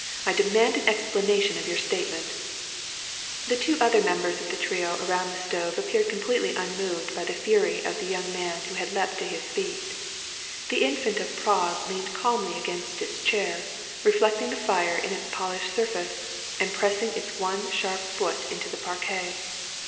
I demand an explanation of your statement." The other two members of the trio round the stove appeared completely unmoved by the fury of the young man who had leapt to his feet. The Infant of Prague leaned calmly against its chair, reflecting the fire in its polished surface, and pressing its one sharp foot into the parquet.